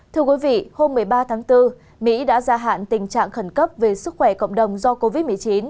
thưa quý vị hôm một mươi ba tháng bốn mỹ đã gia hạn tình trạng khẩn cấp về sức khỏe cộng đồng do covid một mươi chín